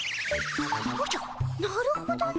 おじゃなるほどの。